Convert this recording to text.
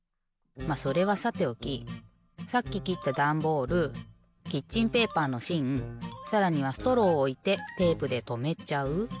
まっそれはさておきさっききったダンボールキッチンペーパーのしんさらにはストローをおいてテープでとめちゃう。